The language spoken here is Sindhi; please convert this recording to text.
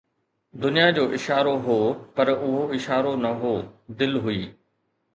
دنيا جو اشارو هو، پر اهو اشارو نه هو، دل هئي